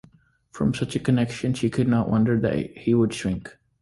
From such a connection she could not wonder that he would shrink.